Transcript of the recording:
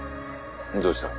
どうした？